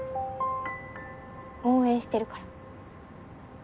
応援してるから。